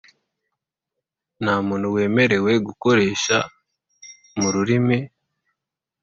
Nta muntu wemerewe gukoresha mu rurimi